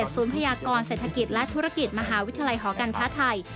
ศูนย์พยากรเศรษฐกิจและธุรกิจมหาวิทยาลัยหอการค้าไทย